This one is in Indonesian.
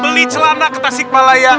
beli celana kertas sikmalaya